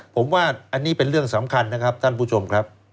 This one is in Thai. ผมว่าอันนี้เป็นเรื่องสำคัญนะครับท่านผู้ชมครับ